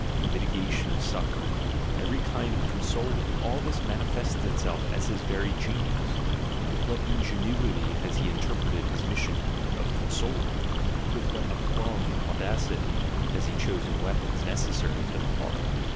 The mitigation of suffering, every kind of "consoling" — all this manifests itself as his very genius: with what ingenuity has he interpreted his mission of consoler, with what aplomb and audacity has he chosen weapons necessary for the part.